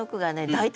大体